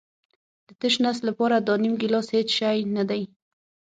د تش نس لپاره دا نیم ګیلاس هېڅ شی نه دی.